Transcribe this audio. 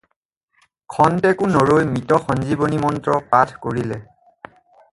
খন্তেকো নৰৈ মৃত-সঞ্জীৱনী মন্ত্ৰ পাঠ কৰিলে।